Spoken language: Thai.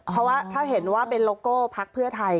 เพราะว่าถ้าเห็นว่าเป็นโลโก้พักเพื่อไทย